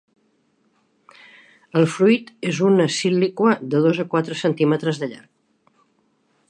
El fruit és una síliqua de dos a quatre centímetres de llarg.